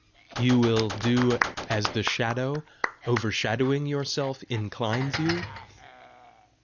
"You will do as the Shadow, overshadowing your Self inclines you?"